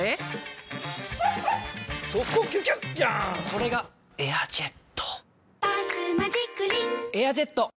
それが「エアジェット」「バスマジックリン」「エアジェット」！